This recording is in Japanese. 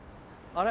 あれ？